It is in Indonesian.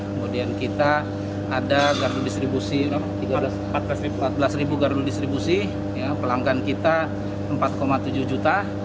kemudian kita ada empat belas gardu distribusi pelanggan kita empat tujuh juta